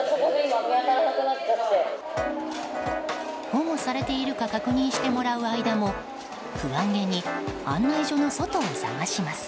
保護されているか確認してもらう間も不安げに案内所の外を探します。